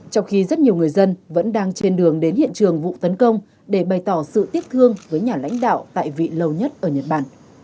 trong khi rất nhiều người dân vẫn đang trên đường đến hiện trường vụ tấn công để bày tỏ sự tiếc thương với nhà lãnh đạo tại vị lâu nhất ở nhật bản